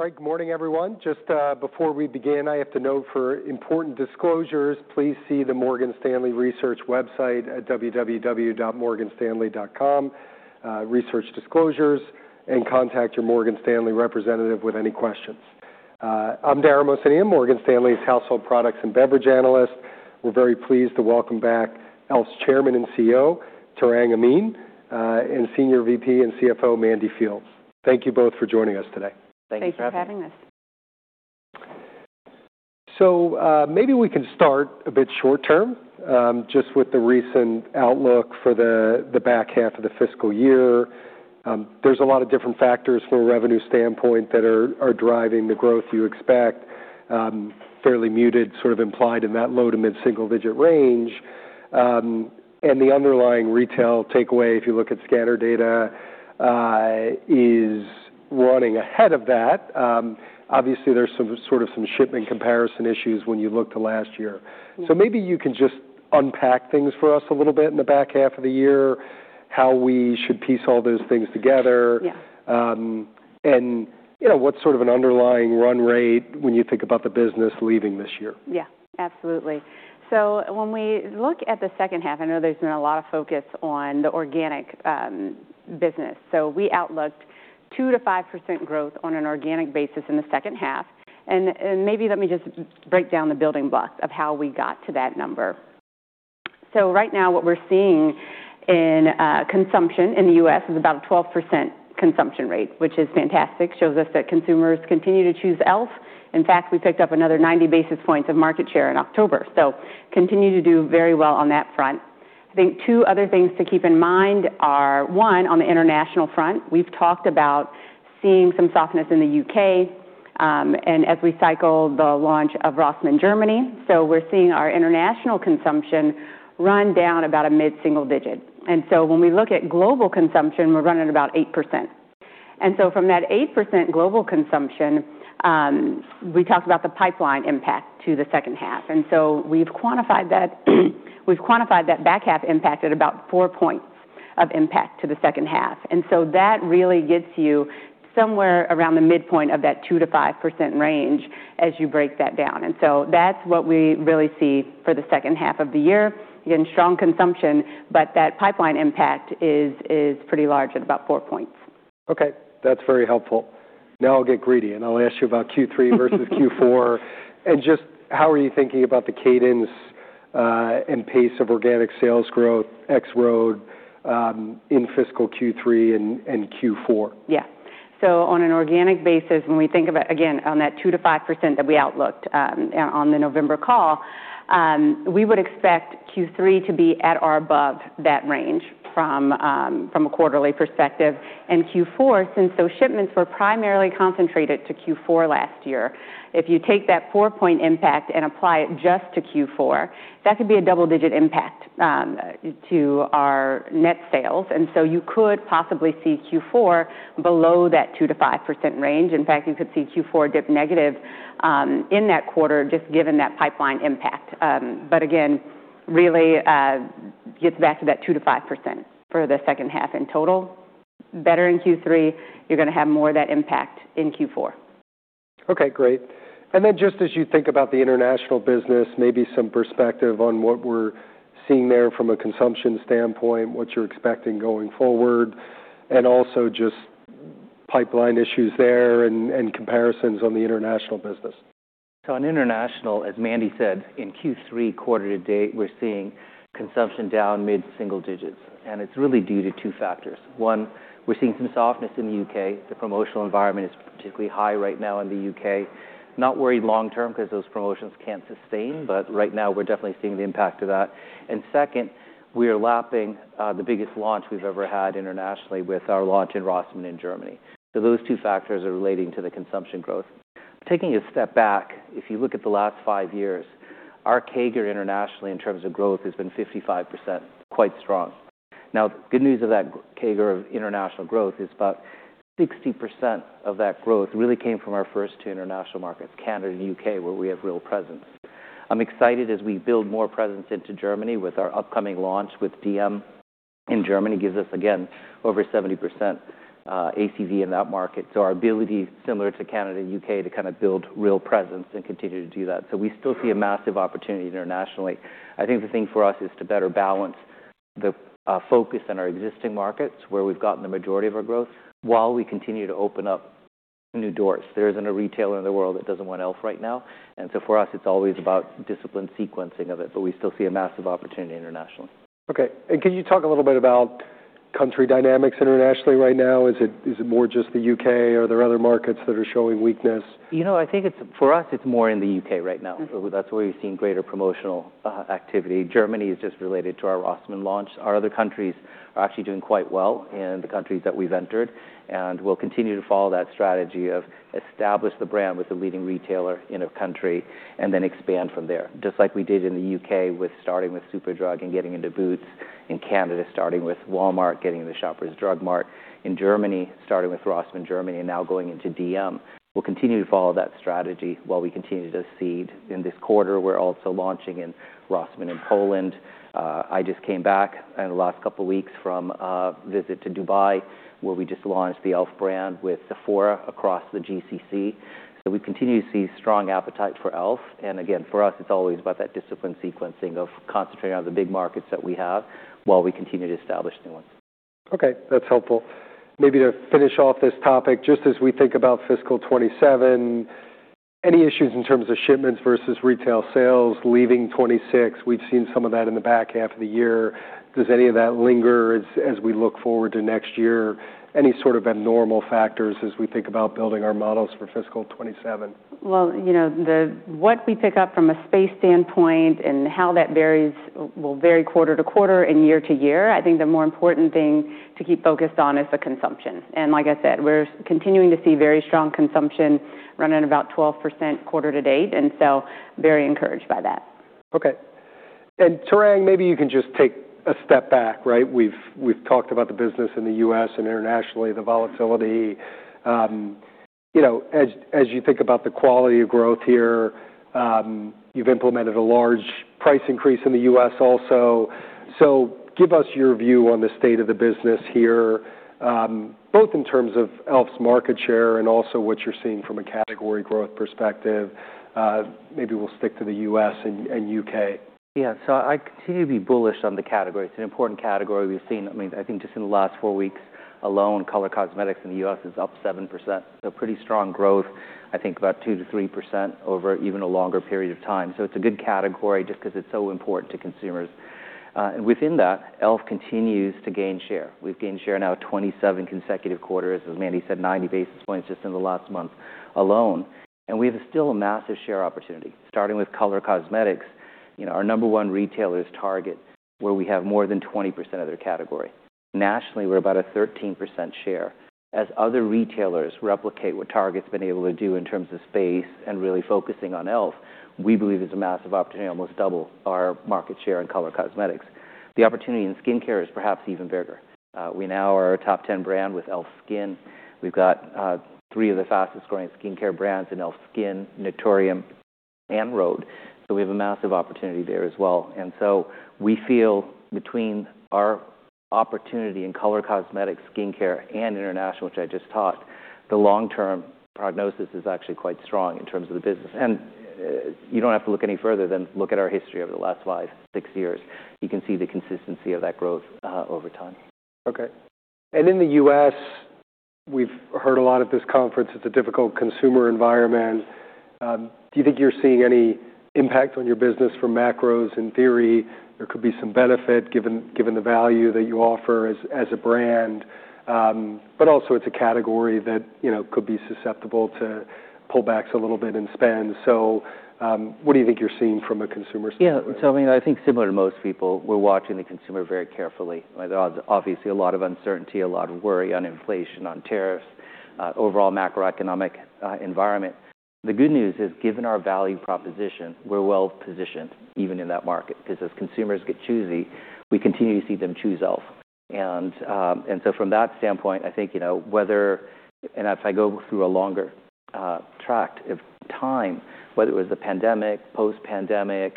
All right, good morning, everyone. Just before we begin, I have to note for important disclosures, please see the Morgan Stanley Research website at www.morganstanley.com, Research Disclosures, and contact your Morgan Stanley representative with any questions. I'm Dara Mohsenian, Morgan Stanley's household products and beverage analyst. We're very pleased to welcome back e.l.f.'s Chairman and CEO, Tarang Amin, and Senior VP and CFO, Mandy Fields. Thank you both for joining us today. Thank you for having us. So, maybe we can start a bit short-term, just with the recent outlook for the back half of the fiscal year. There's a lot of different factors from a revenue standpoint that are driving the growth you expect, fairly muted, sort of implied in that low to mid-single-digit range, and the underlying retail takeaway, if you look at scanner data, is running ahead of that. Obviously, there's some sort of shipment comparison issues when you look to last year. So maybe you can just unpack things for us a little bit in the back half of the year, how we should piece all those things together. Yeah. And, you know, what's sort of an underlying run rate when you think about the business leaving this year? Yeah, absolutely. So when we look at the second half, I know there's been a lot of focus on the organic business. So we outlooked 2%-5% growth on an organic basis in the second half. And maybe let me just break down the building blocks of how we got to that number. So right now, what we're seeing in consumption in the U.S. is about a 12% consumption rate, which is fantastic, shows us that consumers continue to choose e.l.f. In fact, we picked up another 90 basis points of market share in October. So continue to do very well on that front. I think two other things to keep in mind are, one, on the international front, we've talked about seeing some softness in the U.K., and as we cycle the launch of ROSSMANN Germany. We're seeing our international consumption run down about a mid-single digit. And so when we look at global consumption, we're running at about 8%. And so from that 8% global consumption, we talked about the pipeline impact to the second half. And so we've quantified that back half impact at about 4 points of impact to the second half. And so that really gets you somewhere around the midpoint of that 2%-5% range as you break that down. And so that's what we really see for the second half of the year, getting strong consumption, but that pipeline impact is pretty large at about 4 points. Okay, that's very helpful. Now I'll get greedy, and I'll ask you about Q3 versus Q4 and just how are you thinking about the cadence, and pace of organic sales growth, ex-rhode, in fiscal Q3 and Q4? Yeah. So on an organic basis, when we think about, again, on that 2%-5% that we outlooked, on the November call, we would expect Q3 to be at or above that range from a quarterly perspective. And Q4, since those shipments were primarily concentrated to Q4 last year, if you take that 4-point impact and apply it just to Q4, that could be a double-digit impact to our net sales. And so you could possibly see Q4 below that 2%-5% range. In fact, you could see Q4 dip negative in that quarter just given that pipeline impact. But again, really, gets back to that 2%-5% for the second half in total. Better in Q3, you're going to have more of that impact in Q4. Okay, great. And then just as you think about the international business, maybe some perspective on what we're seeing there from a consumption standpoint, what you're expecting going forward, and also just pipeline issues there and comparisons on the international business? So on international, as Mandy said, in Q3 quarter to date, we're seeing consumption down mid-single digits. And it's really due to two factors. One, we're seeing some softness in the U.K. The promotional environment is particularly high right now in the U.K. Not worried long-term because those promotions can't sustain, but right now we're definitely seeing the impact of that. And second, we are lapping, the biggest launch we've ever had internationally with our launch in ROSSMANN in Germany. So those two factors are relating to the consumption growth. Taking a step back, if you look at the last five years, our CAGR internationally in terms of growth has been 55%, quite strong. Now, the good news of that CAGR of international growth is about 60% of that growth really came from our first two international markets, Canada and U.K., where we have real presence. I'm excited as we build more presence into Germany with our upcoming launch with dm in Germany, gives us, again, over 70% ACV in that market. So our ability, similar to Canada and U.K., to kind of build real presence and continue to do that. So we still see a massive opportunity internationally. I think the thing for us is to better balance the, focus in our existing markets where we've gotten the majority of our growth while we continue to open up new doors. There isn't a retailer in the world that doesn't want e.l.f. right now. And so for us, it's always about disciplined sequencing of it, but we still see a massive opportunity internationally. Okay. And can you talk a little bit about country dynamics internationally right now? Is it more just the U.K.? Are there other markets that are showing weakness? You know, I think it's for us, it's more in the U.K. right now. That's where you're seeing greater promotional activity. Germany is just related to our ROSSMANN launch. Our other countries are actually doing quite well in the countries that we've entered. And we'll continue to follow that strategy of establish the brand with the leading retailer in a country and then expand from there, just like we did in the U.K. with starting with Superdrug and getting into The Boots in Canada, starting with Walmart, getting into Shoppers Drug Mart in Germany, starting with ROSSMANN Germany and now going into dm. We'll continue to follow that strategy while we continue to seed in this quarter. We're also launching in ROSSMANN in Poland. I just came back in the last couple of weeks from a visit to Dubai where we just launched the e.l.f. brand with Sephora across the GCC. So we continue to see strong appetite for e.l.f. And again, for us, it's always about that discipline sequencing of concentrating on the big markets that we have while we continue to establish new ones. Okay, that's helpful. Maybe to finish off this topic, just as we think about fiscal 2027, any issues in terms of shipments versus retail sales leaving 2026? We've seen some of that in the back half of the year. Does any of that linger as we look forward to next year? Any sort of abnormal factors as we think about building our models for fiscal 2027? You know, the space we pick up from a space standpoint and how that varies will vary quarter-to-quarter and year-to-year. I think the more important thing to keep focused on is the consumption. Like I said, we're continuing to see very strong consumption running at about 12% quarter to date. So very encouraged by that. Okay. And Tarang, maybe you can just take a step back, right? We've talked about the business in the U.S. and internationally, the volatility. You know, as you think about the quality of growth here, you've implemented a large price increase in the U.S. also. So give us your view on the state of the business here, both in terms of e.l.f.'s market share and also what you're seeing from a category growth perspective. Maybe we'll stick to the U.S. and U.K. Yeah. So I continue to be bullish on the category. It's an important category we've seen. I mean, I think just in the last four weeks alone, color cosmetics in the U.S. is up 7%. So pretty strong growth, I think about 2%-3% over even a longer period of time. So it's a good category just because it's so important to consumers, and within that, e.l.f. continues to gain share. We've gained share now 27 consecutive quarters, as Mandy said, 90 basis points just in the last month alone. And we have still a massive share opportunity starting with color cosmetics. You know, our number one retailer is Target, where we have more than 20% of their category. Nationally, we're about a 13% share. As other retailers replicate what Target's been able to do in terms of space and really focusing on e.l.f., we believe there's a massive opportunity to almost double our market share in color cosmetics. The opportunity in skincare is perhaps even bigger. We now are a top 10 brand with e.l.f. SKIN. We've got three of the fastest-growing skincare brands in e.l.f. SKIN, Naturium, and rhode. So we have a massive opportunity there as well. And so we feel between our opportunity in color cosmetics, skincare, and international, which I just touched, the long-term prognosis is actually quite strong in terms of the business. And you don't have to look any further than look at our history over the last five, six years. You can see the consistency of that growth over time. Okay. And in the U.S., we've heard a lot at this conference. It's a difficult consumer environment. Do you think you're seeing any impact on your business from macros? In theory, there could be some benefit given the value that you offer as a brand. But also it's a category that, you know, could be susceptible to pullbacks a little bit in spend. So, what do you think you're seeing from a consumer standpoint? Yeah. So, I mean, I think similar to most people, we're watching the consumer very carefully. There's obviously a lot of uncertainty, a lot of worry on inflation, on tariffs, overall macroeconomic environment. The good news is given our value proposition, we're well-positioned even in that market because as consumers get choosy, we continue to see them choose e.l.f. And so from that standpoint, I think, you know, whether, if I go through a longer tract of time, whether it was the pandemic, post-pandemic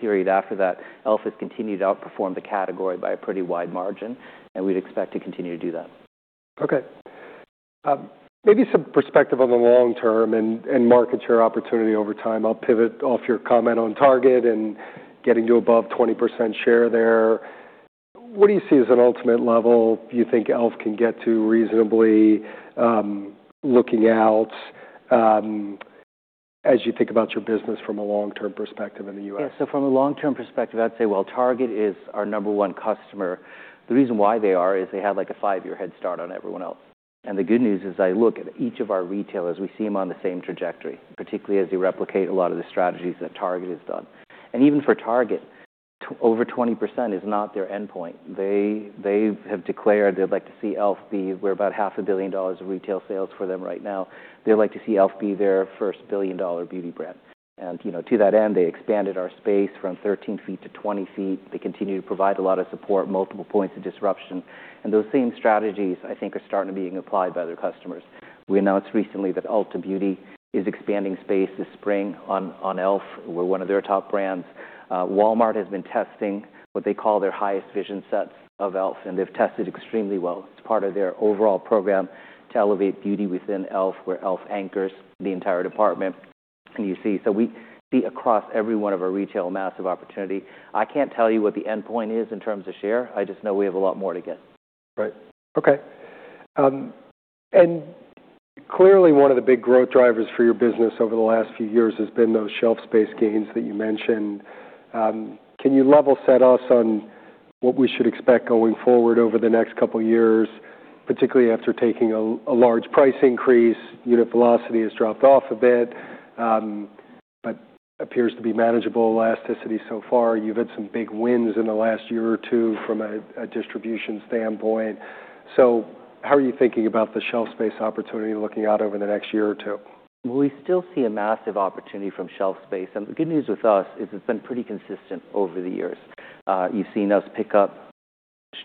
period after that, e.l.f. has continued to outperform the category by a pretty wide margin. And we'd expect to continue to do that. Okay. Maybe some perspective on the long-term and market share opportunity over time. I'll pivot off your comment on Target and getting to above 20% share there. What do you see as an ultimate level you think e.l.f. can get to reasonably, looking out, as you think about your business from a long-term perspective in the U.S.? Yeah. So from a long-term perspective, I'd say, well, Target is our number one customer. The reason why they are is they have, like, a five-year head start on everyone else. And the good news is I look at each of our retailers; we see them on the same trajectory, particularly as they replicate a lot of the strategies that Target has done. And even for Target, over 20% is not their endpoint. They have declared they'd like to see e.l.f. be. We're about $500 million of retail sales for them right now. And, you know, to that end, they expanded our space from 13 ft-20 ft. They continue to provide a lot of support, multiple points of distribution. And those same strategies, I think, are starting to be applied by their customers. We announced recently that Ulta Beauty is expanding space this spring on e.l.f., one of their top brands. Walmart has been testing what they call their Highest Vision Sets of e.l.f., and they've tested extremely well. It's part of their overall program to elevate beauty within e.l.f., where e.l.f. anchors the entire department, and you see so we see across every one of our retail a massive opportunity. I can't tell you what the endpoint is in terms of share. I just know we have a lot more to get. Right. Okay. And clearly one of the big growth drivers for your business over the last few years has been those shelf space gains that you mentioned. Can you level set us on what we should expect going forward over the next couple of years, particularly after taking a large price increase? Unit velocity has dropped off a bit, but appears to be manageable elasticity so far. You've had some big wins in the last year or two from a distribution standpoint. So how are you thinking about the shelf space opportunity looking out over the next year or two? We still see a massive opportunity from shelf space. And the good news with us is it's been pretty consistent over the years. You've seen us pick up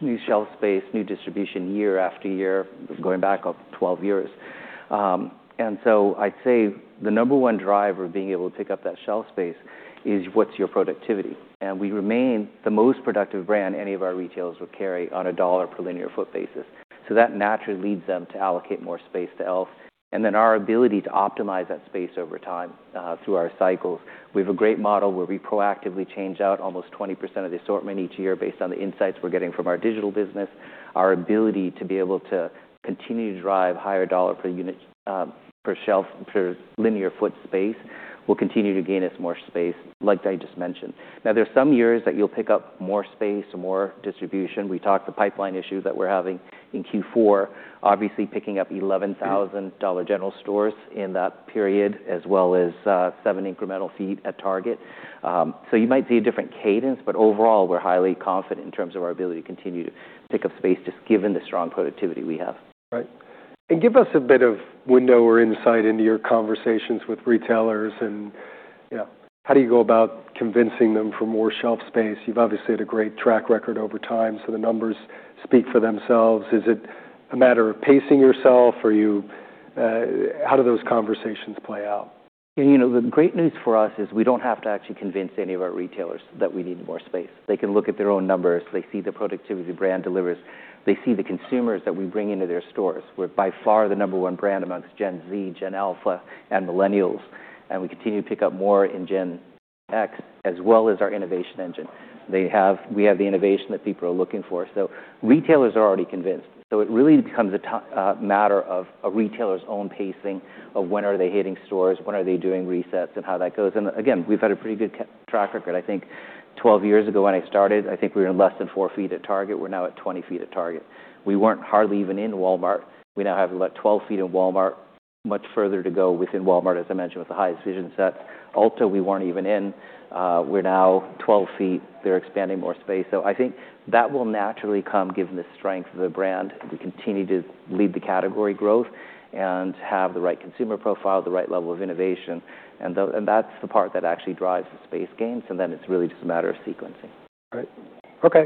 new shelf space, new distribution year after year, going back up 12 years. And so I'd say the number one driver of being able to pick up that shelf space is what's your productivity. And we remain the most productive brand any of our retailers would carry on $1 per linear foot basis. So that naturally leads them to allocate more space to e.l.f. And then our ability to optimize that space over time, through our cycles. We have a great model where we proactively change out almost 20% of the assortment each year based on the insights we're getting from our digital business. Our ability to be able to continue to drive higher dollar per unit, per shelf per linear foot space will continue to gain us more space, like I just mentioned. Now, there are some years that you'll pick up more space, more distribution. We talked the pipeline issues that we're having in Q4, obviously picking up 11,000 Dollar General stores in that period, as well as seven incremental feet at Target. So you might see a different cadence, but overall, we're highly confident in terms of our ability to continue to pick up space just given the strong productivity we have. Right and give us a bit of window or insight into your conversations with retailers and, you know, how do you go about convincing them for more shelf space? You've obviously had a great track record over time, so the numbers speak for themselves. Is it a matter of pacing yourself? Are you, how do those conversations play out? You know, the great news for us is we don't have to actually convince any of our retailers that we need more space. They can look at their own numbers. They see the productivity the brand delivers. They see the consumers that we bring into their stores. We're by far the number one brand amongst Gen Z, Gen Alpha, and Millennials. We continue to pick up more in Gen X as well as our innovation engine. We have the innovation that people are looking for. Retailers are already convinced. It really becomes a timing matter of a retailer's own pacing of when are they hitting stores, when are they doing resets, and how that goes. Again, we've had a pretty good track record. I think 12 years ago when I started, I think we were in less than 4 ft at Target. We're now at 20 ft at Target. We weren't hardly even in Walmart. We now have about 12 ft in Walmart, much further to go within Walmart, as I mentioned, with the Highest Vision Sets. Ulta, we weren't even in. We're now 12 ft. They're expanding more space. So I think that will naturally come given the strength of the brand. We continue to lead the category growth and have the right consumer profile, the right level of innovation. And though and that's the part that actually drives the space gains. And then it's really just a matter of sequencing. Right. Okay.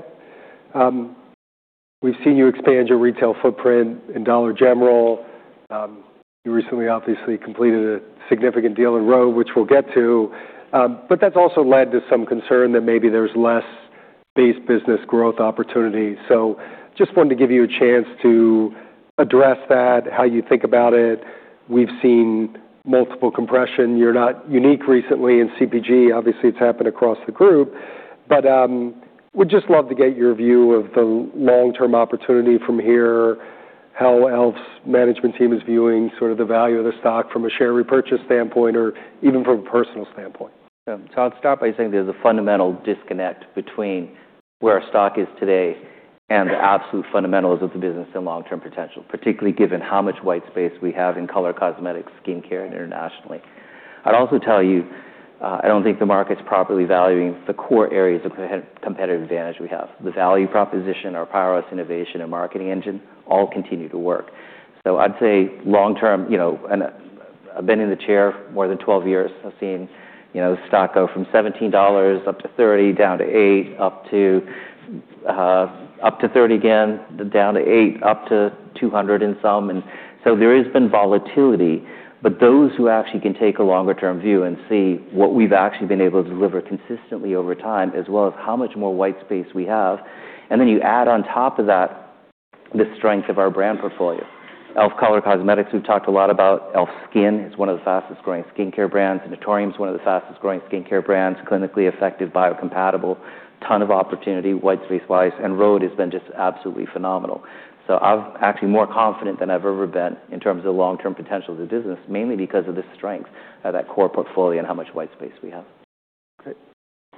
We've seen you expand your retail footprint in Dollar General. You recently obviously completed a significant deal in rhode, which we'll get to, but that's also led to some concern that maybe there's less base business growth opportunity. So just wanted to give you a chance to address that, how you think about it. We've seen multiple compression. You're not unique recently in CPG. Obviously, it's happened across the group. But we'd just love to get your view of the long-term opportunity from here, how e.l.f.'s management team is viewing sort of the value of the stock from a share repurchase standpoint or even from a personal standpoint. Yeah. So I'll start by saying there's a fundamental disconnect between where our stock is today and the absolute fundamentals of the business and long-term potential, particularly given how much white space we have in color cosmetics, skincare, and internationally. I'd also tell you, I don't think the market's properly valuing the core areas of competitive advantage we have. The value proposition, our powerhouse innovation, and marketing engine all continue to work. So I'd say long-term, you know, and I've been in the chair more than 12 years. I've seen, you know, the stock go from $17 up to $30, down to $8, up to, up to $30 again, down to $8, up to $200 and some. And so there has been volatility. But those who actually can take a longer-term view and see what we've actually been able to deliver consistently over time, as well as how much more white space we have, and then you add on top of that the strength of our brand portfolio. e.l.f. Color Cosmetics, we've talked a lot about. e.l.f. SKIN is one of the fastest-growing skincare brands. Naturium is one of the fastest-growing skincare brands. Clinically effective, biocompatible. Ton of opportunity white space-wise. And rhode has been just absolutely phenomenal. So I'm actually more confident than I've ever been in terms of the long-term potential of the business, mainly because of the strength of that core portfolio and how much white space we have. Okay.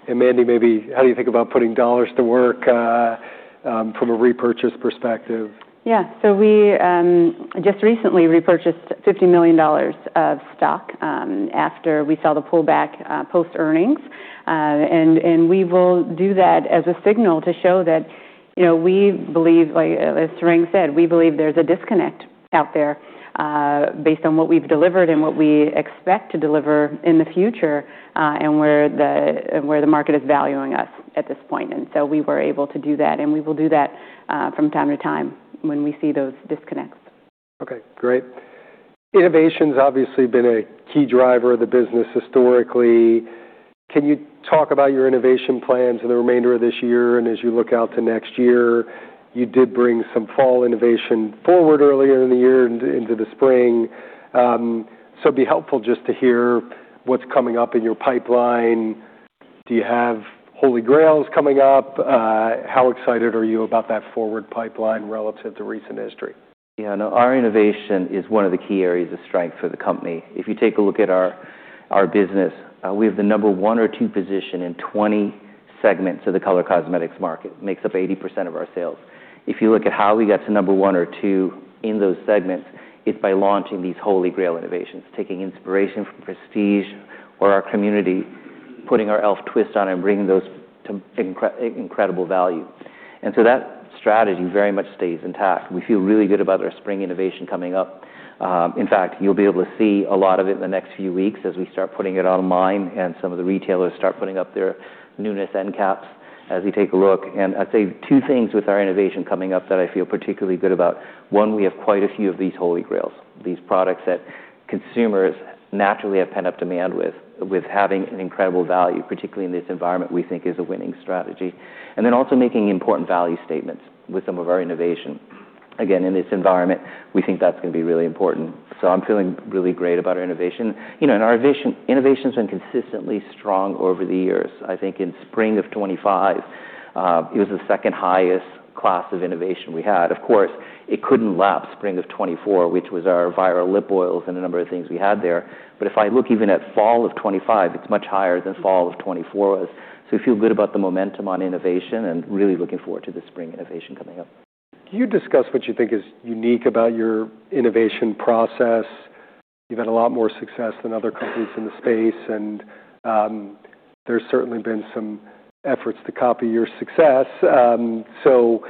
And Mandy, maybe how do you think about putting dollars to work, from a repurchase perspective? Yeah. We just recently repurchased $50 million of stock after we saw the pullback post-earnings, and we will do that as a signal to show that, you know, we believe, like as Tarang said, we believe there's a disconnect out there based on what we've delivered and what we expect to deliver in the future, and where the market is valuing us at this point. We were able to do that, and we will do that from time to time when we see those disconnects. Okay. Great. Innovation's obviously been a key driver of the business historically. Can you talk about your innovation plans in the remainder of this year and as you look out to next year? You did bring some fall innovation forward earlier in the year and into the spring. So it'd be helpful just to hear what's coming up in your pipeline. Do you have holy grails coming up? How excited are you about that forward pipeline relative to recent history? Yeah. No, our innovation is one of the key areas of strength for the company. If you take a look at our business, we have the number one or two position in 20 segments of the color cosmetics market. It makes up 80% of our sales. If you look at how we got to number one or two in those segments, it's by launching these holy grail innovations, taking inspiration from Prestige or our community, putting our e.l.f. twist on it, and bringing those to incredible value. And so that strategy very much stays intact. We feel really good about our spring innovation coming up. In fact, you'll be able to see a lot of it in the next few weeks as we start putting it online and some of the retailers start putting up their newness end caps as they take a look. I'd say two things with our innovation coming up that I feel particularly good about. One, we have quite a few of these holy grails, these products that consumers naturally have pent-up demand with, with having an incredible value, particularly in this environment we think is a winning strategy. Then also making important value statements with some of our innovation. Again, in this environment, we think that's going to be really important. I'm feeling really great about our innovation. You know, our vision innovation's been consistently strong over the years. I think in spring of 2025, it was the second highest class of innovation we had. Of course, it couldn't lap spring of 2024, which was our viral lip oils and a number of things we had there. If I look even at fall of 2025, it's much higher than fall of 2024 was. So we feel good about the momentum on innovation and really looking forward to the spring innovation coming up. Can you discuss what you think is unique about your innovation process? You've had a lot more success than other companies in the space. And, there's certainly been some efforts to copy your success. So,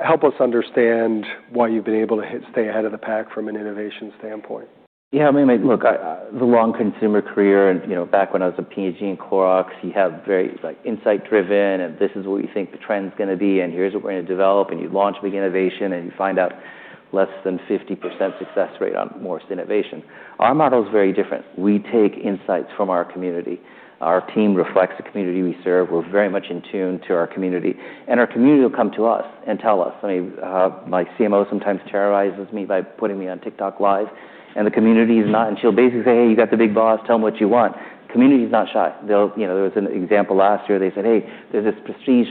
help us understand why you've been able to stay ahead of the pack from an innovation standpoint. Yeah. I mean, look, I've had a long consumer career and, you know, back when I was at Clorox, you have very, like, insight-driven and this is what we think the trend's going to be and here's what we're going to develop. And you launch big innovation and you find out less than 50% success rate on major innovation. Our model's very different. We take insights from our community. Our team reflects the community we serve. We're very much in tune to our community. And our community will come to us and tell us. I mean, my CMO sometimes terrorizes me by putting me on TikTok LIVE. And the community is not and she'll basically say, "Hey, you got the big boss. Tell them what you want." The community's not shy. They'll, you know, there was an example last year. They said, "Hey, there's this prestige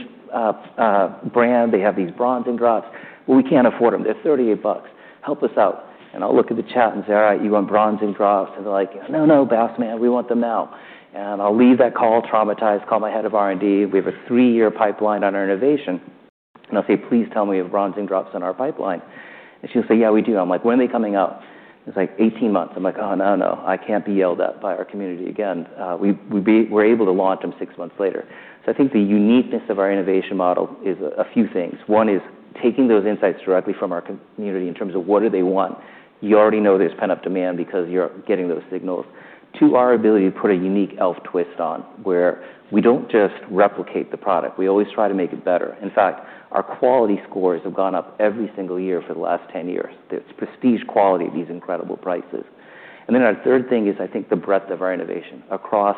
brand. They have these Bronzing Drops. "Well, we can't afford them. They're $38. Help us out." And I'll look at the chat and say, "All right, you want Bronzing Drops?" And they're like, "No, no, Bassman, we want them now." And I'll leave that call traumatized, call my head of R&D. We have a three-year pipeline on our innovation. And I'll say, "Please tell me you have Bronzing Drops on our pipeline." And she'll say, "Yeah, we do." I'm like, "When are they coming out?" She's like, "18 months." I'm like, "Oh, no, no. I can't be yelled at by our community again." We're able to launch them six months later. So I think the uniqueness of our innovation model is a few things. One is taking those insights directly from our community in terms of what do they want. You already know there's pent-up demand because you're getting those signals. Two, our ability to put a unique e.l.f. twist on where we don't just replicate the product. We always try to make it better. In fact, our quality scores have gone up every single year for the last 10 years. It's prestige quality at these incredible prices. And then our third thing is I think the breadth of our innovation across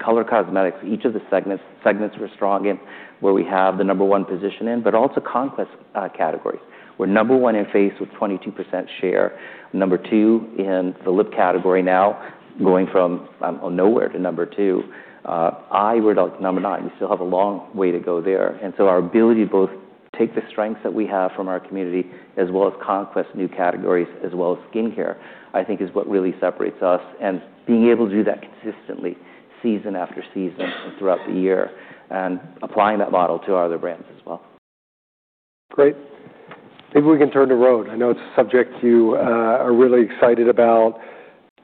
color cosmetics. Each of the segments we're strong in, where we have the number one position in, but also conquest categories. We're number one in face with 22% share. Number two in the lip category now, going from nowhere to number two. Eye we're number nine. We still have a long way to go there. And so our ability to both take the strengths that we have from our community as well as conquer new categories as well as skincare, I think is what really separates us. And being able to do that consistently, season after season and throughout the year, and applying that model to our other brands as well. Great. Maybe we can turn to rhode. I know it's a subject you are really excited about.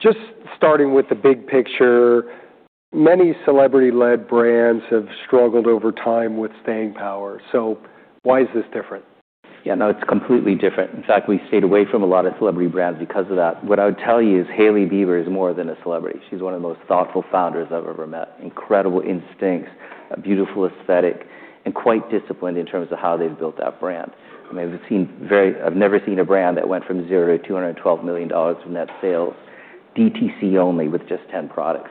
Just starting with the big picture, many celebrity-led brands have struggled over time with staying power. So why is this different? Yeah. No, it's completely different. In fact, we stayed away from a lot of celebrity brands because of that. What I would tell you is Hailey Bieber is more than a celebrity. She's one of the most thoughtful founders I've ever met, incredible instincts, a beautiful aesthetic, and quite disciplined in terms of how they've built that brand. I mean, I've never seen a brand that went from zero to $212 million in net sales, DTC only, with just 10 products.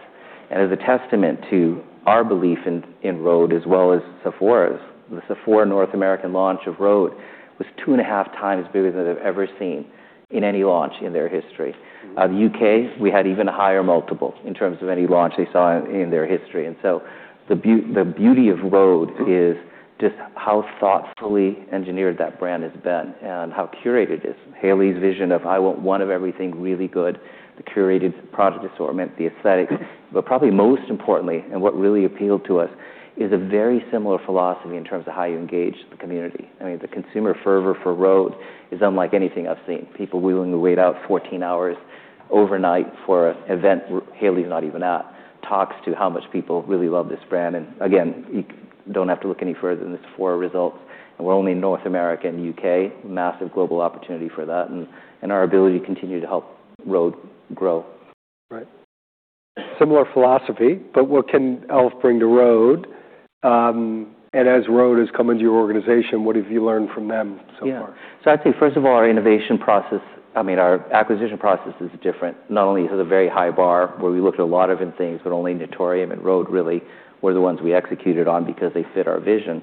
And as a testament to our belief in rhode, as well as Sephora, the Sephora North American launch of rhode was two and a half times bigger than they've ever seen in any launch in their history. The U.K., we had even a higher multiple in terms of any launch they saw in their history. And so the beauty of rhode. Mm-hmm. It's just how thoughtfully engineered that brand has been and how curated it is. Hailey's vision of, "I want one of everything really good," the curated product assortment, the aesthetics, but probably most importantly, and what really appealed to us, is a very similar philosophy in terms of how you engage the community. I mean, the consumer fervor for rhode is unlike anything I've seen. People willing to wait about 14 hours overnight for an event where Hailey's not even at, talks to how much people really love this brand, and again, you don't have to look any further than the Sephora results, and we're only in North America and the U.K., massive global opportunity for that and our ability to continue to help rhode grow. Right. Similar philosophy, but what can e.l.f. bring to rhode, and as rhode has come into your organization, what have you learned from them so far? Yeah. So I'd say, first of all, our innovation process, I mean, our acquisition process is different. Not only has a very high bar where we looked at a lot of different things, but only Naturium and rhode, really, were the ones we executed on because they fit our vision.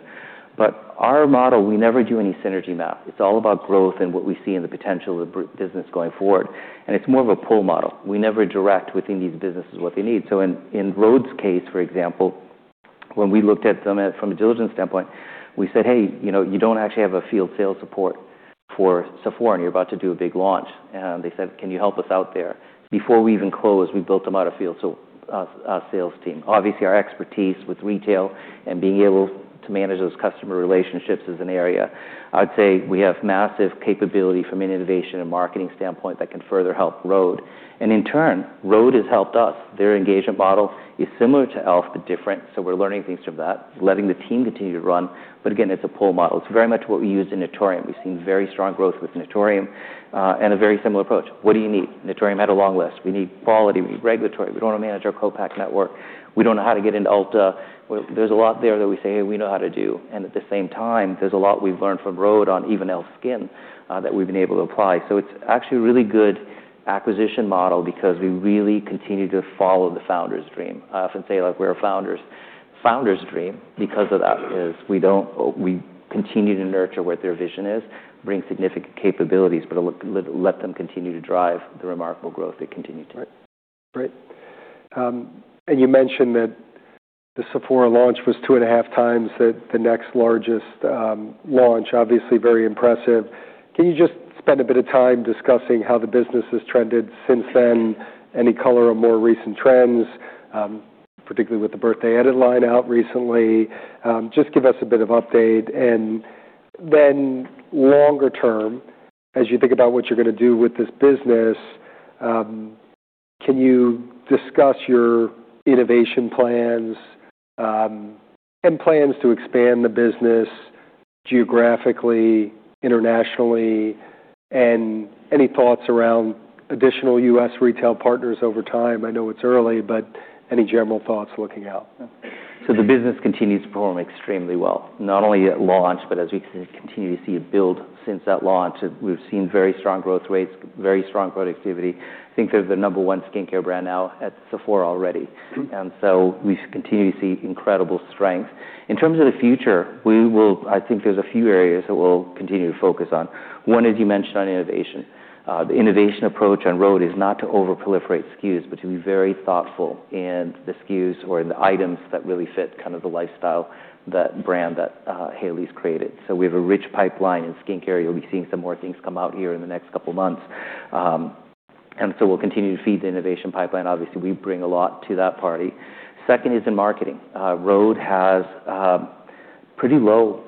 But our model, we never do any synergy map. It's all about growth and what we see in the potential of the business going forward. And it's more of a pull model. We never direct within these businesses what they need. So in rhode's case, for example, when we looked at them from a diligence standpoint, we said, "Hey, you know, you don't actually have a field sales support for Sephora, and you're about to do a big launch." And they said, "Can you help us out there?" Before we even closed, we built them a field sales team. Obviously, our expertise with retail and being able to manage those customer relationships is an area. I'd say we have massive capability from an innovation and marketing standpoint that can further help rhode. And in turn, rhode has helped us. Their engagement model is similar to e.l.f., but different. So we're learning things from that, letting the team continue to run. But again, it's a pull model. It's very much what we used in Naturium. We've seen very strong growth with Naturium, and a very similar approach. What do you need? Naturium had a long list. We need quality. We need regulatory. We don't want to manage our co-pack network. We don't know how to get into Ulta. There's a lot there that we say, "Hey, we know how to do." And at the same time, there's a lot we've learned from rhode on even e.l.f. SKIN, that we've been able to apply. So it's actually a really good acquisition model because we really continue to follow the founder's dream. I often say, like, we're a founder's founder's dream because of that. It is we don't. We continue to nurture what their vision is, bring significant capabilities, but let them continue to drive the remarkable growth they continue to. Right. Right. And you mentioned that the Sephora launch was two and a half times the next largest launch. Obviously, very impressive. Can you just spend a bit of time discussing how the business has trended since then? Any color on more recent trends, particularly with the Birthday Edit line out recently? Just give us a bit of update. And then longer term, as you think about what you're going to do with this business, can you discuss your innovation plans, and plans to expand the business geographically, internationally, and any thoughts around additional U.S. retail partners over time? I know it's early, but any general thoughts looking out? So the business continues to perform extremely well. Not only at launch, but as we continue to see it build since that launch, we've seen very strong growth rates, very strong productivity. I think they're the number one skincare brand now at Sephora already. And so we continue to see incredible strength. In terms of the future, we will. I think there's a few areas that we'll continue to focus on. One, as you mentioned on innovation, the innovation approach on rhode is not to over-proliferate SKUs, but to be very thoughtful in the SKUs or in the items that really fit kind of the lifestyle that brand that Hailey's created. So we have a rich pipeline in skincare. You'll be seeing some more things come out here in the next couple of months. And so we'll continue to feed the innovation pipeline. Obviously, we bring a lot to that party. Second is in marketing. rhode has pretty low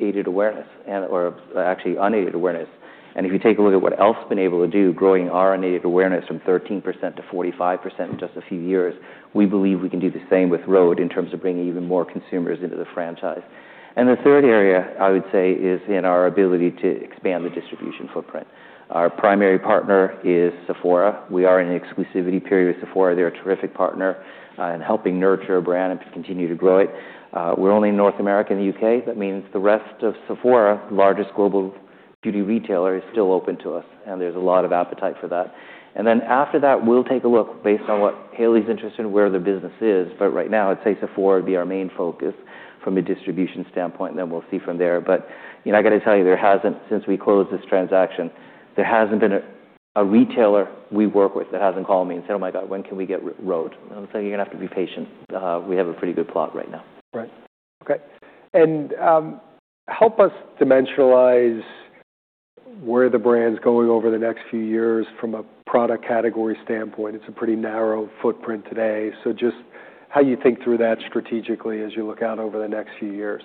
aided awareness and/or actually unaided awareness. And if you take a look at what e.l.f.'s been able to do, growing our unaided awareness from 13%-45% in just a few years, we believe we can do the same with rhode in terms of bringing even more consumers into the franchise. And the third area, I would say, is in our ability to expand the distribution footprint. Our primary partner is Sephora. We are in an exclusivity period with Sephora. They're a terrific partner in helping nurture a brand and continue to grow it. We're only in North America and the U.K. That means the rest of Sephora, the largest global beauty retailer, is still open to us. And there's a lot of appetite for that. And then after that, we'll take a look based on what Hailey's interested in, where the business is. But right now, I'd say Sephora would be our main focus from a distribution standpoint. Then we'll see from there. But, you know, I got to tell you, there hasn't, since we closed this transaction, there hasn't been a retailer we work with that hasn't called me and said, "Oh my God, when can we get rhode?" And I'm saying, "You're going to have to be patient. We have a pretty good plan right now. Right. Okay, and help us dimensionalize where the brand's going over the next few years from a product category standpoint. It's a pretty narrow footprint today, so just how you think through that strategically as you look out over the next few years?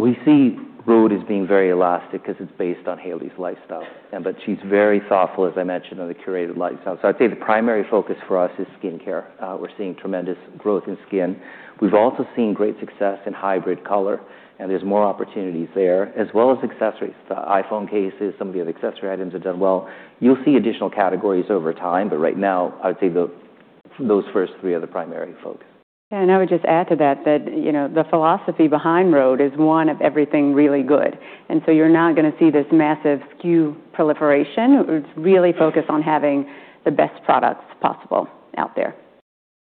We see rhode as being very elastic because it's based on Hailey's lifestyle. But she's very thoughtful, as I mentioned, on the curated lifestyle. I'd say the primary focus for us is skincare. We're seeing tremendous growth in skin. We've also seen great success in hybrid color, and there's more opportunities there, as well as accessories. The iPhone cases, some of the other accessory items have done well. You'll see additional categories over time. Right now, I would say those first three are the primary focus. Yeah, and I would just add to that that, you know, the philosophy behind rhode is one of everything really good, and so you're not going to see this massive SKU proliferation. It's really focused on having the best products possible out there.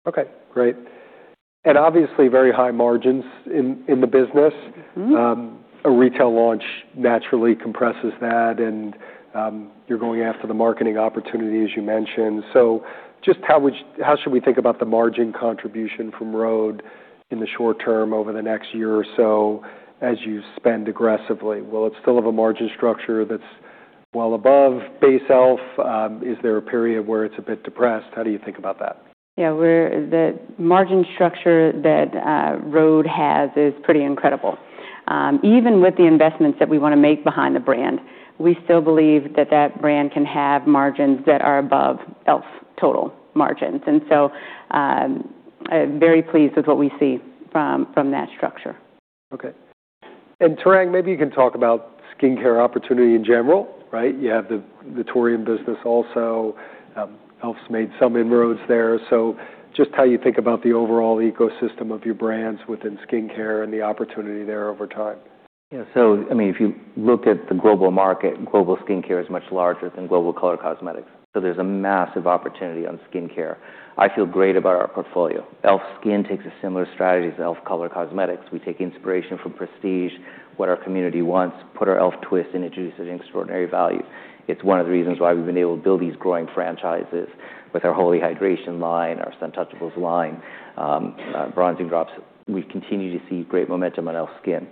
Okay. Great. And obviously, very high margins in the business. Mm-hmm. A retail launch naturally compresses that. You're going after the marketing opportunity, as you mentioned. So just how should we think about the margin contribution from rhode in the short term over the next year or so as you spend aggressively? Will it still have a margin structure that's well above base e.l.f.? Is there a period where it's a bit depressed? How do you think about that? Yeah. The margin structure that rhode has is pretty incredible. Even with the investments that we want to make behind the brand, we still believe that that brand can have margins that are above e.l.f. total margins. And so, I'm very pleased with what we see from that structure. Okay. And Tarang, maybe you can talk about skincare opportunity in general, right? You have the Naturium business also. e.l.f.'s made some inroads there. So just how you think about the overall ecosystem of your brands within skincare and the opportunity there over time. Yeah. So, I mean, if you look at the global market, global skincare is much larger than global color cosmetics. So there's a massive opportunity on skincare. I feel great about our portfolio. e.l.f. SKIN takes a similar strategy as e.l.f. Color Cosmetics. We take inspiration from Prestige, what our community wants, put our e.l.f. twist and introduce it to extraordinary value. It's one of the reasons why we've been able to build these growing franchises with our Holy Hydration! line, our Suntouchable! line, Bronzing Drops. We continue to see great momentum on e.l.f. SKIN.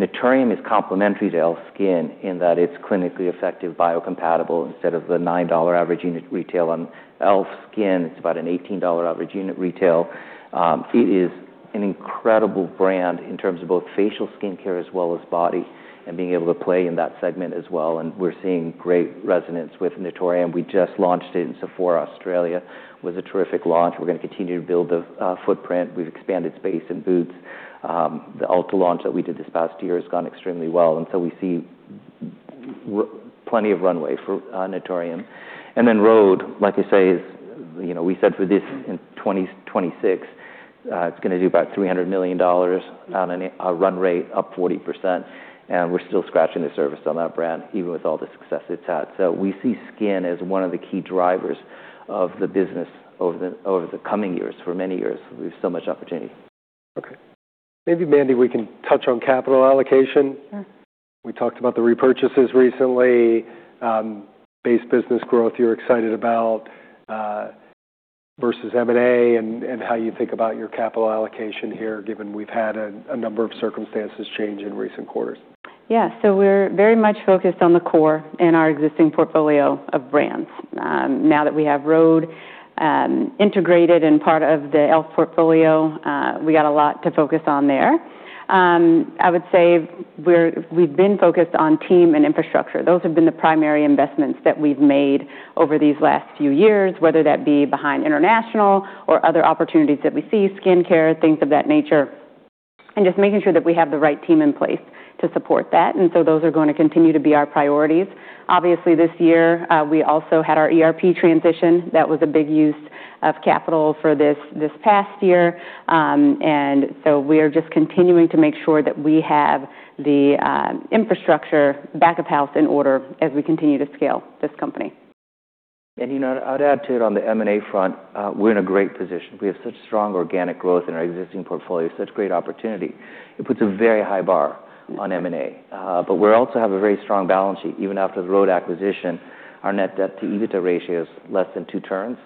Naturium is complementary to e.l.f. SKIN in that it's clinically effective, biocompatible. Instead of the $9 average unit retail on e.l.f. SKIN, it's about an $18 average unit retail. It is an incredible brand in terms of both facial skincare as well as body and being able to play in that segment as well. And we're seeing great resonance with Naturium. We just launched it in Sephora, Australia. It was a terrific launch. We're going to continue to build the footprint. We've expanded space and booths. The Ulta launch that we did this past year has gone extremely well. And so we see plenty of runway for Naturium. And then rhode, like I say, is, you know, we said for this in 2026, it's going to do about $300 million on a run rate, up 40%. And we're still scratching the surface on that brand, even with all the success it's had. So we see skin as one of the key drivers of the business over the coming years. For many years, we have so much opportunity. Okay. Maybe, Mandy, we can touch on capital allocation. Sure. We talked about the repurchases recently, base business growth you're excited about, versus M&A and how you think about your capital allocation here, given we've had a number of circumstances change in recent quarters. Yeah. So we're very much focused on the core and our existing portfolio of brands. Now that we have rhode, integrated and part of the e.l.f. portfolio, we got a lot to focus on there. I would say we've been focused on team and infrastructure. Those have been the primary investments that we've made over these last few years, whether that be behind international or other opportunities that we see, skincare, things of that nature, and just making sure that we have the right team in place to support that. And so those are going to continue to be our priorities. Obviously, this year, we also had our ERP transition. That was a big use of capital for this past year. And so we are just continuing to make sure that we have the infrastructure back of house in order as we continue to scale this company. You know, I'd add to it on the M&A front. We're in a great position. We have such strong organic growth in our existing portfolio, such great opportunity. It puts a very high bar on M&A. But we also have a very strong balance sheet. Even after the rhode acquisition, our net debt to EBITDA ratio is less than two turns.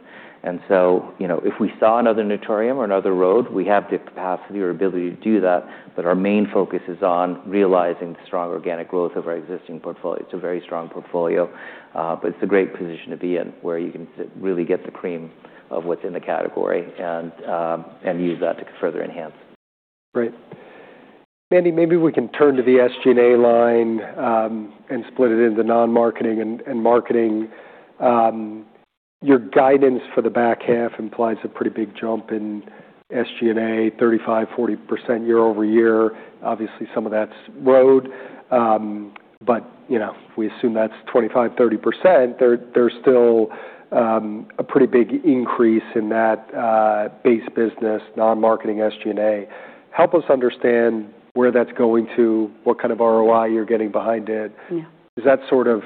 And so, you know, if we saw another Naturium or another rhode, we have the capacity or ability to do that. But our main focus is on realizing the strong organic growth of our existing portfolio. It's a very strong portfolio. But it's a great position to be in where you can really get the cream of what's in the category and use that to further enhance. Great. Mandy, maybe we can turn to the SG&A line, and split it into non-marketing and marketing. Your guidance for the back half implies a pretty big jump in SG&A, 35%-40% year-over-year. Obviously, some of that's rhode. But, you know, we assume that's 25%-30%. There's still a pretty big increase in that base business, non-marketing SG&A. Help us understand where that's going to, what kind of ROI you're getting behind it. Yeah. Is that sort of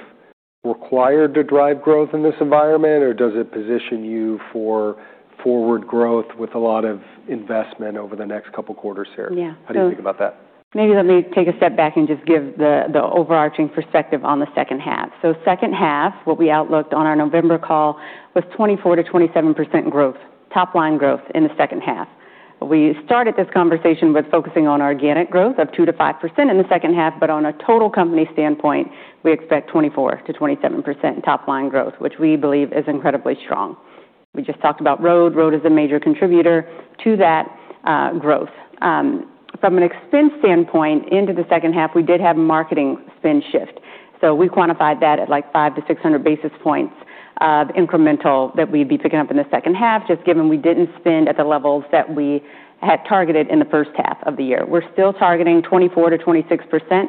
required to drive growth in this environment, or does it position you for forward growth with a lot of investment over the next couple of quarters here? Yeah. How do you think about that? Maybe let me take a step back and just give the overarching perspective on the second half. So second half, what we outlooked on our November call was 24%-27% growth, top-line growth in the second half. We started this conversation with focusing on organic growth of 2%-5% in the second half. But on a total company standpoint, we expect 24%-27% top-line growth, which we believe is incredibly strong. We just talked about rhode. rhode is a major contributor to that growth. From an expense standpoint, into the second half, we did have a marketing spend shift. So we quantified that at like 5-600 basis points of incremental that we'd be picking up in the second half, just given we didn't spend at the levels that we had targeted in the first half of the year. We're still targeting 24%-26%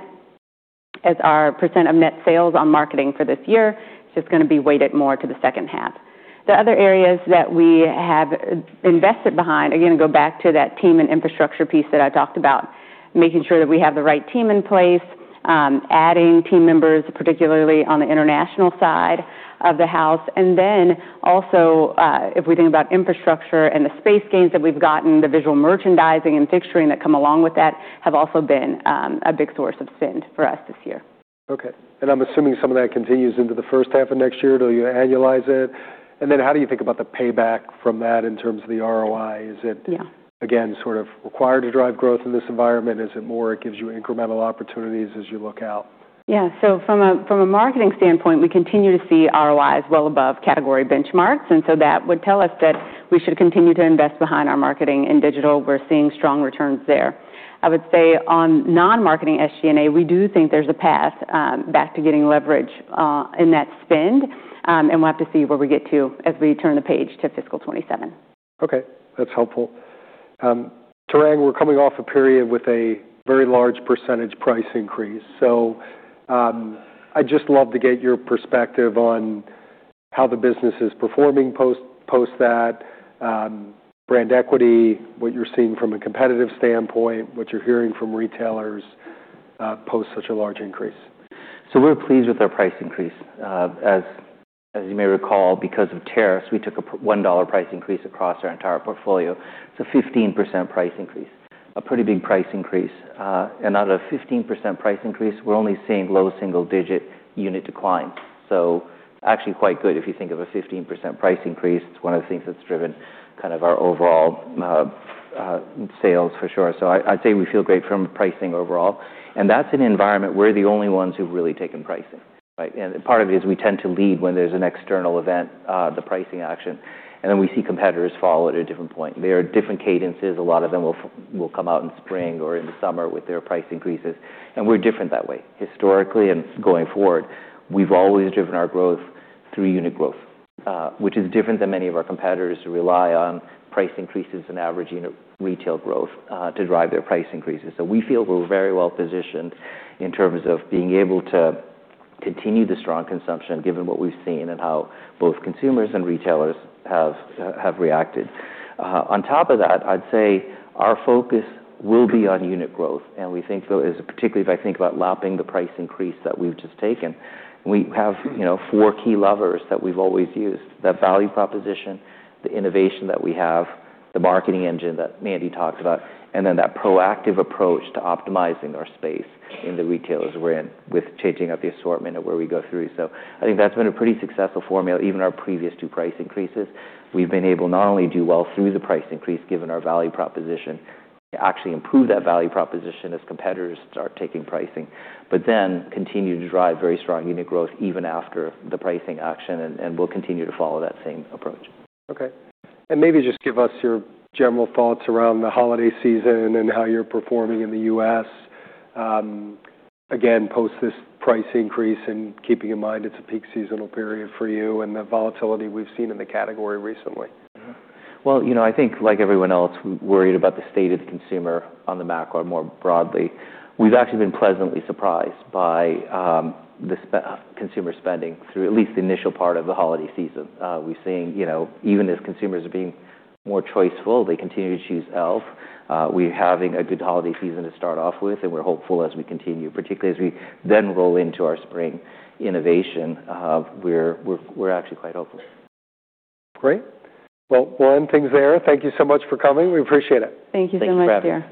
as our percent of net sales on marketing for this year. It's just going to be weighted more to the second half. The other areas that we have invested behind, again, go back to that team and infrastructure piece that I talked about, making sure that we have the right team in place, adding team members, particularly on the international side of the house. And then also, if we think about infrastructure and the space gains that we've gotten, the visual merchandising and fixturing that come along with that have also been a big source of spend for us this year. Okay. And I'm assuming some of that continues into the first half of next year. Do you annualize it? And then how do you think about the payback from that in terms of the ROI? Is it. Yeah. Again, sort of required to drive growth in this environment? Is it more it gives you incremental opportunities as you look out? Yeah. So from a marketing standpoint, we continue to see ROIs well above category benchmarks. And so that would tell us that we should continue to invest behind our marketing and digital. We're seeing strong returns there. I would say on non-marketing SG&A, we do think there's a path back to getting leverage in that spend. And we'll have to see where we get to as we turn the page to fiscal 2027. Okay. That's helpful. Tarang, we're coming off a period with a very large percentage price increase. So, I'd just love to get your perspective on how the business is performing post that, brand equity, what you're seeing from a competitive standpoint, what you're hearing from retailers, post such a large increase. So we're pleased with our price increase. As you may recall, because of tariffs, we took a $1 price increase across our entire portfolio. It's a 15% price increase, a pretty big price increase. And out of a 15% price increase, we're only seeing low single-digit unit declines. So actually quite good. If you think of a 15% price increase, it's one of the things that's driven kind of our overall, sales for sure. So I'd say we feel great from pricing overall. And that's an environment where the only ones who've really taken pricing, right? And part of it is we tend to lead when there's an external event, the pricing action. And then we see competitors follow at a different point. There are different cadences. A lot of them will come out in spring or in the summer with their price increases. And we're different that way. Historically and going forward, we've always driven our growth through unit growth, which is different than many of our competitors who rely on price increases and average unit retail growth, to drive their price increases. So we feel we're very well positioned in terms of being able to continue the strong consumption, given what we've seen and how both consumers and retailers have reacted. On top of that, I'd say our focus will be on unit growth. And we think, particularly if I think about lapping the price increase that we've just taken, we have, you know, four key levers that we've always used: the value proposition, the innovation that we have, the marketing engine that Mandy talked about, and then that proactive approach to optimizing our space in the retailers we're in with changing up the assortment and where we go through. So I think that's been a pretty successful formula. Even our previous two price increases, we've been able not only to do well through the price increase, given our value proposition, to actually improve that value proposition as competitors start taking pricing, but then continue to drive very strong unit growth even after the pricing action. And we'll continue to follow that same approach. Okay. And maybe just give us your general thoughts around the holiday season and how you're performing in the U.S., again, post this price increase and keeping in mind it's a peak seasonal period for you and the volatility we've seen in the category recently? You know, I think like everyone else, we're worried about the state of the consumer on the macro more broadly. We've actually been pleasantly surprised by the consumer spending through at least the initial part of the holiday season. We've seen, you know, even as consumers are being more choiceful, they continue to choose e.l.f. We're having a good holiday season to start off with. We're hopeful as we continue, particularly as we then roll into our spring innovation. We're actually quite hopeful. Great. Well, we'll end things there. Thank you so much for coming. We appreciate it. Thank you so much, Andrew.